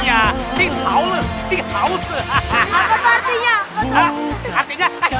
ya cik haus cik haus